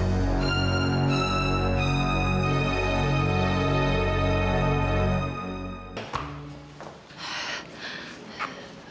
supaya dia tahu rasa